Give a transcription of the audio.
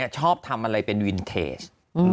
ชอบทำอะไรเป็นวินเทจ